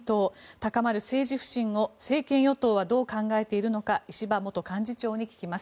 高まる政治不信を政権・与党はどう考えているのか石破元幹事長に聞きます。